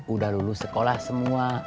udah lulus sekolah semua